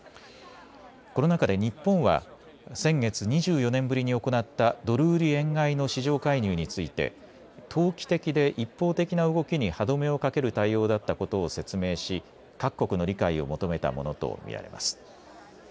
この中で日本は先月、２４年ぶりに行ったドル売り円買いの市場介入について投機的で一方的な動きに歯止めをかける対応だったことを説明し各国の理解を求めたものと見られます。